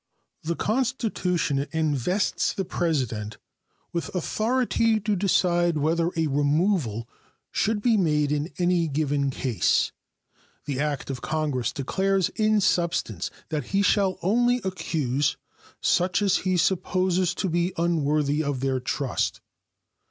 The Constitution invests the President with authority to decide whether a removal should be made in any given case; the act of Congress declares in substance that he shall only accuse such as he supposes to be unworthy of their trust.